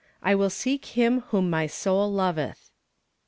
"I AVILL SEEK HIM WHOM MY SOUL LOVETH.